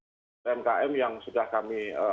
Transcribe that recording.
umkm yang sudah kami